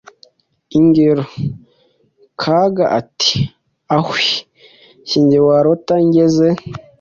Ingero: Kaga ati: “Ahwi! Singe warota ngeze